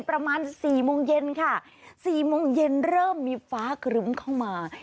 ประมาณ๔โมงเย็นค่ะ๔โมงเย็นเริ่มมีฟ้าครึ้มเข้ามา